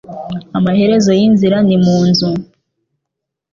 Amaherezo y'inzira ni mu nzu.